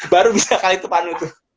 baru bisa kali itu panu tuh